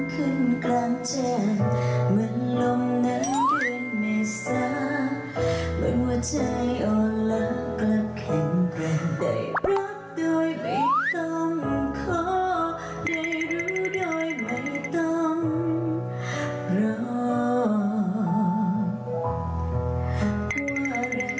ฮือจบเลยหลับมากเท่าไหร่